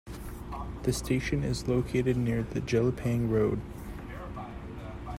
The station is located near Jelapang Road.